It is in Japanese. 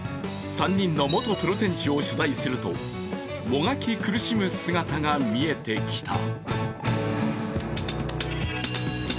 ３人の元プロ選手を取材するともがき苦しむ姿が見えてきた。